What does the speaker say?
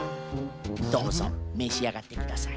どうぞめしあがってください。